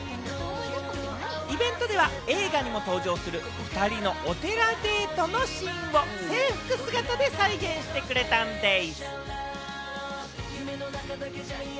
イベントでは映画にも登場する２人のお寺デートのシーンを制服姿で再現してくれたんでぃす！